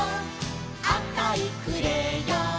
「あかいクレヨン」